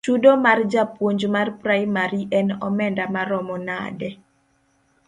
Chudo mar japuonj mar praimari en omenda maromo nade?